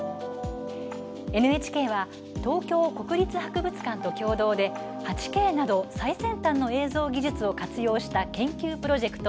ＮＨＫは東京国立博物館と共同で８Ｋなど最先端の映像技術を活用した研究プロジェクト